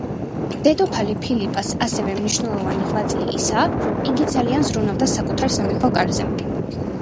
დედოფალ ფილიპას ასევე მნიშვნელოვანი ღვაწლი ისაა, რომ იგი ძალიან ზრუნავდა საკუთარ სამეფო კარზე.